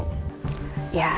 oke makasih ya dok